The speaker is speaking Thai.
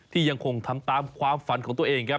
ที่ยังคงทำตามความฝันของตัวเอง